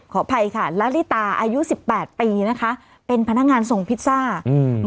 ขออภัยค่ะลาลิตาอายุสิบแปดปีนะคะเป็นพนักงานส่งพิซซ่าอืม